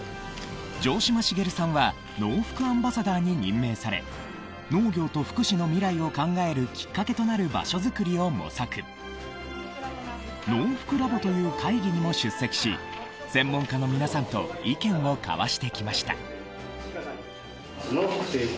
城島茂さんはノウフクアンバサダーに任命され農業と福祉の未来を考えるきっかけとなる場所づくりを模索ノウフク・ラボという会議にも出席し専門家の皆さんと意見を交わしてきました